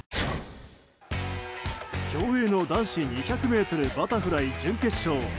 競泳の男子２００ｍバタフライ準決勝。